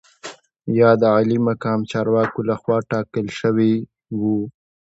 یا د عالي مقام چارواکو لخوا ټاکل شوي وو.